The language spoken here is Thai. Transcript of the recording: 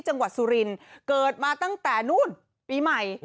จังหวัดสุรินเกิดมาตั้งแต่นู่นปีใหม่